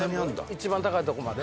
一番高いとこまで？